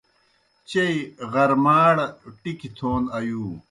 چیئی غرماڑ ٹِکیْ تھون آیُو۔